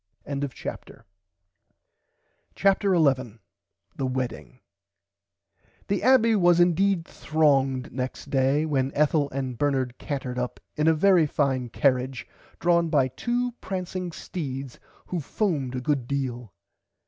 [Pg 99] CHAPTER 11 THE WEDDING The Abbey was indeed thronged next day when Ethel and Bernard cantered up in a very fine carrage drawn by two prancing steeds who foamed a good deal.